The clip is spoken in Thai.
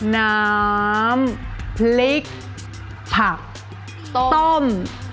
น้ำพริกผักต้ม